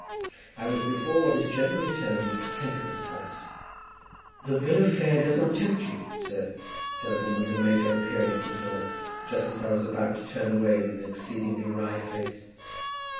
I was before what is generally termed a temperance house. "The bill of fare does not tempt you, sir," said a woman, who made her appearance at the door, just as I was about to turn away with an exceedingly wry face.